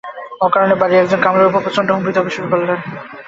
অকারণে বাড়ির এক জন কামলার ওপর প্রচন্ড হম্বিতম্বি শুরু করলেন।